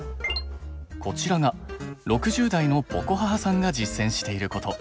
こちらが６０代のｐｏｃｏｈａｈａさんが実践していること。